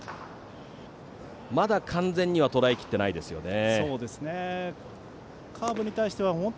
まだ完全にはとらえ切ってないですね。